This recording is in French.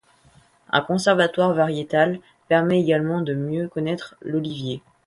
Un conservatoire variétal permet également de mieux connaître l'olivier.